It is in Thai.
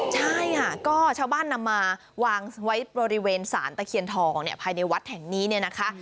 ใช่ค่ะก็ชาวบ้านนำมาวางไว้บริเวณศาลตะเขียนทองภายในวัดแห่งนี้นะคะ